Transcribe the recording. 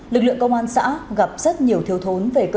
lực lượng công an xã gặp rất nhiều thiếu thốn về cơ sở vật chất